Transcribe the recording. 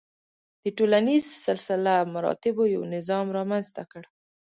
د ټولنیز سلسله مراتبو یو نظام رامنځته کړ.